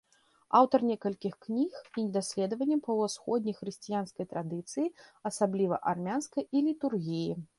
Аўтар некалькіх кніг і даследаванняў па ўсходняй хрысціянскай традыцыі, асабліва армянскай, і літургіі.